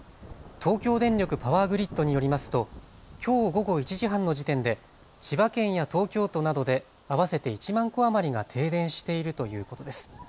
東京電力パワーグリッドによりますときょう午後１時半の時点で千葉県や東京都などで合わせて１万戸余りが停電しているということです。